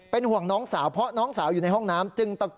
ห่วงน้องสาวเพราะน้องสาวอยู่ในห้องน้ำ